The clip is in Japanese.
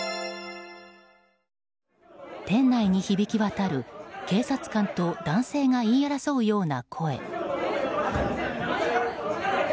店内に響き渡る警察官と男性が言い争うような声。